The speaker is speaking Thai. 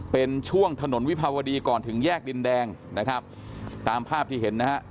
เป็นช่วงถนนวิภาวดีก่อนถึงแยกดินแดงนะครับตามภาพที่เห็นนะฮะ